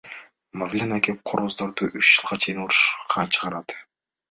Мавлян аке короздорду үч жылга чейин урушка чыгарат.